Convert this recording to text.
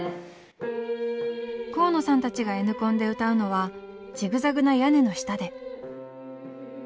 河野さんたちがＮコンで歌うのは「ジグザグな屋根の下で」。